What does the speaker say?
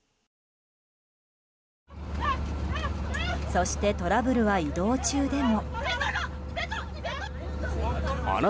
そして、トラブルは移動中でも。